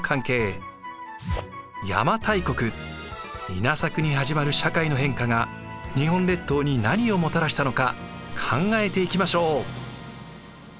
稲作に始まる社会の変化が日本列島に何をもたらしたのか考えていきましょう。